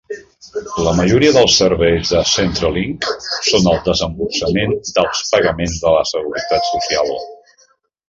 La majoria dels serveis de Centrelink són el desemborsament dels pagaments de la seguretat social.